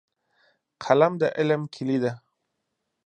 قلم د علم کیلي ده.